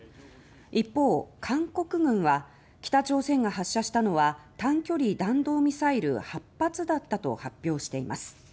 一方、韓国軍は北朝鮮が発射したのは短距離弾道ミサイル８発だったと発表しています。